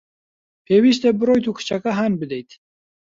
پێویستە بڕۆیت و کچەکە هان بدەیت.